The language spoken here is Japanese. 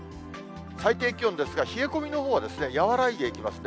最低気温ですが、冷え込みのほうは和らいでいきますね。